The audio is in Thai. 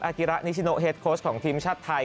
กิระนิชิโนเฮดโค้ชของทีมชาติไทย